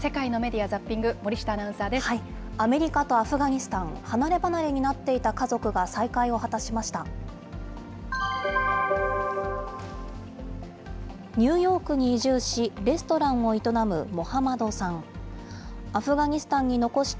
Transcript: アメリカとアフガニスタン、離れ離れになっていた家族が再会を果たしました。